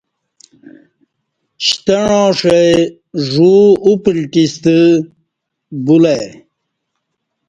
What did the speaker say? شتہ عاں ݜی ژو اُپلٹی ستہ بلہ ای